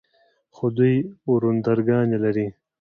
خو دوې ورندرګانې لري.